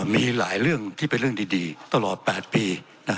มีหลายเรื่องที่เป็นเรื่องดีตลอด๘ปี